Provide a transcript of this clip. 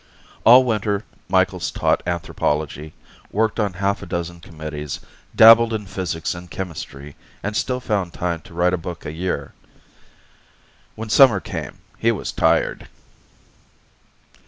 All winter Micheals taught anthropology, worked on half a dozen committees, dabbled in physics and chemistry, and still found time to write a book a year. When summer came, he was tired.